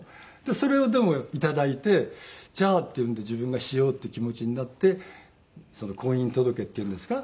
それをでも頂いてじゃあっていうんで自分がしようっていう気持ちになって婚姻届っていうんですか？